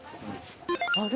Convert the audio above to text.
あれ。